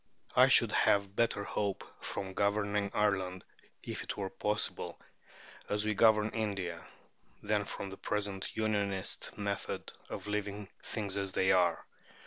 I should have better hope from governing Ireland (if it were possible) as we govern India, than from the present Unionist method of leaving "things as they are."